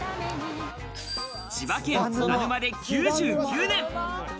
千葉県津田沼で９９年。